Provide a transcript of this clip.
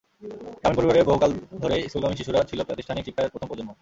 গ্রামীণ পরিবারে বহুকাল ধরেই স্কুলগামী শিশুরা ছিল প্রাতিষ্ঠানিক শিক্ষার প্রথম প্রজন্ম।